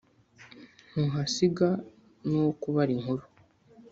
Ntuhasiga n’uwo kubara inkuru.